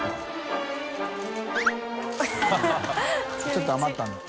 ちょっと余ったんだ。